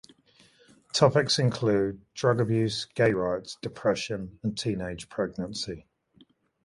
Topics included drug abuse, gay rights, depression, and teenage pregnancy.